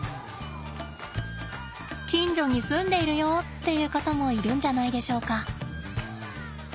近所に住んでいるよっていう方もいるんじゃないでしょうか。